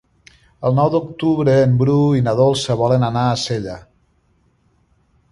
El nou d'octubre en Bru i na Dolça volen anar a Sella.